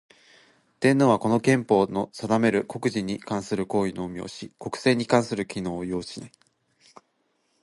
天皇は、この憲法の定める国事に関する行為のみを行ひ、国政に関する権能を有しない。